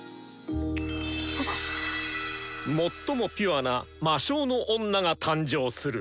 最もピュアな魔性の女が誕生する！